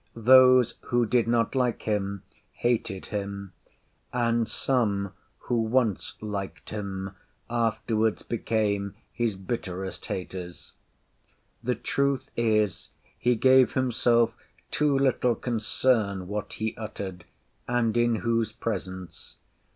Those who did not like him, hated him; and some, who once liked him, afterwards became his bitterest haters. The truth is, he gave himself too little concern what he uttered, and in whose presence.